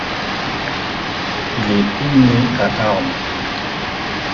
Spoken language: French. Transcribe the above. Il est inhumé à Armes.